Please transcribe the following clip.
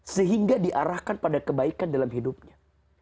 sehingga diarahkan pada kebaikan dalam hidupnya